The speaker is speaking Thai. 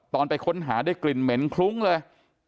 ไปค้นหาได้กลิ่นเหม็นคลุ้งเลย